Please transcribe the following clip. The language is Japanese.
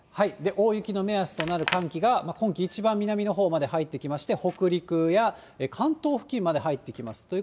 大雪の目安となる寒気が、今季一番、南のほうまで入ってきまして、北陸や関東付近まで入ってきます。